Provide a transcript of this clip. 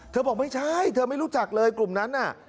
บอกไม่ใช่เธอไม่รู้จักเลยกลุ่มนั้นน่ะ